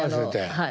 はい。